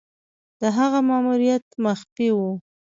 د هغه ماموریت مخفي وو.